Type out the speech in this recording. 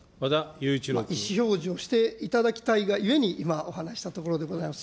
意思表示をしていただきたいがゆえに、今、お話ししたところでございます。